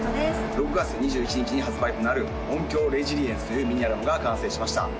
６月２１日に発売となる「音響レジリエンス」というミニアルバムが完成しました